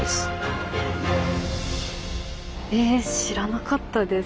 え知らなかったです